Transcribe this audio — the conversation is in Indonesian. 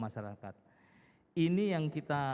masyarakat ini yang kita